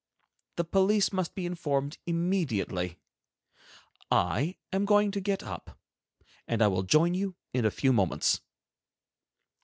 The police must be informed immediately. I am going to get up, and I will join you in a few moments."